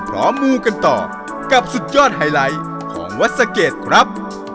มูกันต่อกับสุดยอดไฮไลท์ของวัดสะเกดครับ